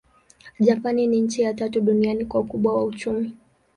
Japani ni nchi ya tatu duniani kwa ukubwa wa uchumi.